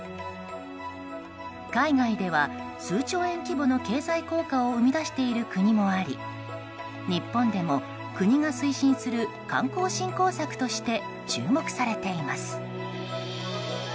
海外では数兆円規模の経済効果を生み出している国もあり日本でも国が推進する観光振興策として注目されています。